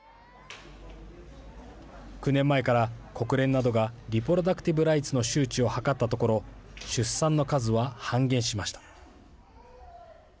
９年前から国連などがリプロダクティブ・ライツの周知を図ったところ出産の数は半減しました。